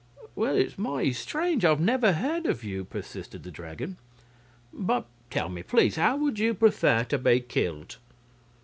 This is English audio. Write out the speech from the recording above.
"Well, it's mighty strange I've never heard of you," persisted the Dragon. "But tell me, please, how would you prefer to be killed?"